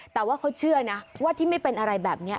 แต่ว่าเขาเชื่อนะว่าที่ไม่เป็นอะไรแบบนี้